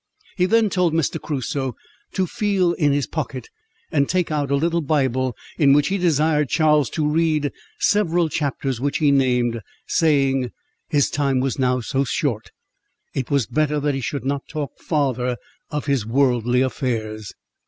He then told Mr. Crusoe to feel in his pocket, and take out a little Bible, in which he desired Charles to read several chapters which he named, saying—"His time was now so short, it was better that he should not talk farther of his worldly affairs."